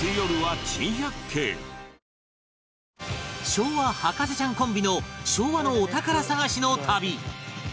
昭和博士ちゃんコンビの昭和のお宝探しの旅！